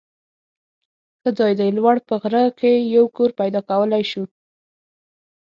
ښه ځای دی. لوړ په غر کې یو کور پیدا کولای شو.